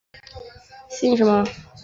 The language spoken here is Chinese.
姓什么？